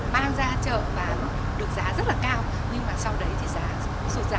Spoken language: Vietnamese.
mang ra chợ bán được giá rất là cao nhưng mà sau đấy thì giá rụt giảm